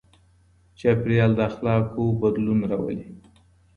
چاپېريال د اخلاقو بدلون راولي.